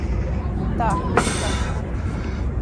Да, видим како.